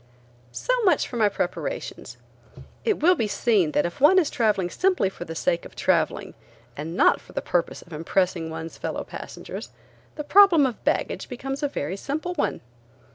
So much for my preparations. It will be seen that if one is traveling simply for the sake of traveling and not for the purpose of impressing one's fellow passengers, the problem of baggage becomes a very simple one.